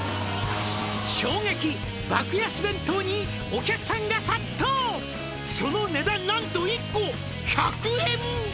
「衝撃爆安弁当にお客さんが殺到」「その値段何と１個１００円！？」